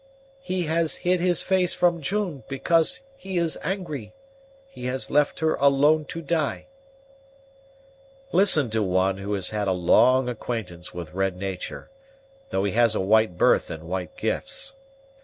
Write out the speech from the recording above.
"He has hid his face from June because he is angry. He has left her alone to die." "Listen to one who has had a long acquaintance with red natur', though he has a white birth and white gifts.